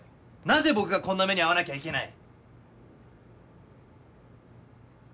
なぜ僕がこんな目に遭わなきゃいけない。